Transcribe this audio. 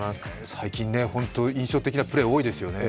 最近、本当に印象的なプレー多いですよね。